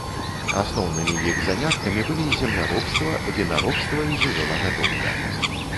Асноўнымі іх заняткамі былі земляробства, вінаробства і жывёлагадоўля.